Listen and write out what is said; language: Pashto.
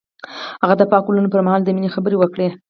هغه د پاک ګلونه پر مهال د مینې خبرې وکړې.